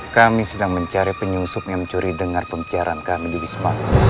kami sedang mencari penyusup yang mencuri dengar pembiaran kami di wisma